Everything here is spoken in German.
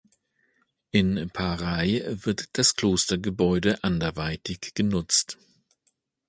In Paray wird das Klostergebäude anderweitig genutzt.